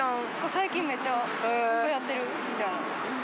最近、めっちゃはやってる。